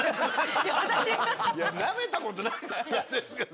いやなめたことないんですけど。